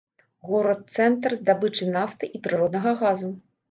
Горад цэнтр здабычы нафты і прыроднага газу.